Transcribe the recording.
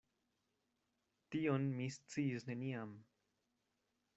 Tion mi sciis neniam.